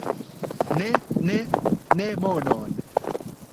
Ne, ne, ne monon!